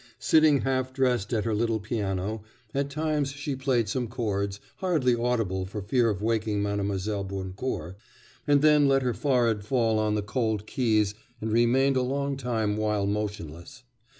Sitting half dressed at her little piano, at times she played some chords, hardly audibly for fear of waking Mlle. Boncourt, and then let her forehead fall on the cold keys and remained a long while motionless.